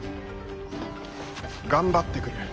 頑張ってくる。